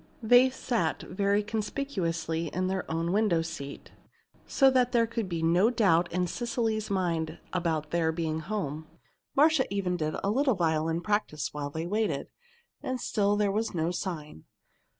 They sat very conspicuously in their own window seat, so that there could be no doubt in Cecily's mind about their being at home. Marcia even did a little violin practice while they waited. And still there was no sign.